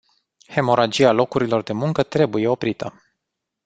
Hemoragia locurilor de muncă trebuie oprită.